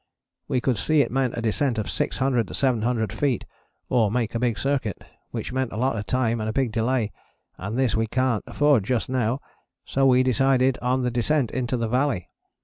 We could see it meant a descent of 600/700 feet, or make a big circuit, which meant a lot of time and a big delay, and this we cant afford just now, so we decided on the descent into the valley.